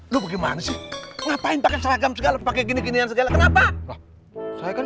lu bagaimana sih ngapain pakai seragam segala pakai gini ginian segala kenapa loh saya kan